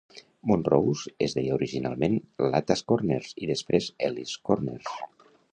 Montrose es deia originalment Latta's Corners i després Ellis' Corners.